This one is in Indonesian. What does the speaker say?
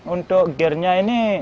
untuk gearnya ini